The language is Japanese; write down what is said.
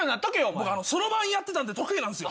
僕そろばんやってたんで得意なんすよ。